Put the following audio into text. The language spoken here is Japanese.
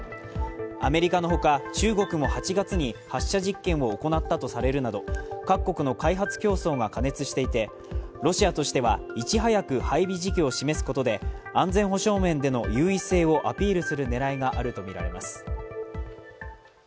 アメリカの他、中国も８月に発射実験を行ったとされるなど、各国の開発競争が過熱していて、ロシアとしてはいち早く配備時期を示すことで安全保障面での優位性をアピールする狙いがあるとみられます。